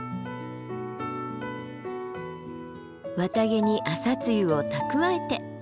綿毛に朝露を蓄えて。